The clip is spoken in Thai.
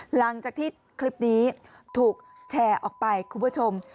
หลังจากที่คลิปนี้ถูกแชร์ออกไปคุณผู้ชม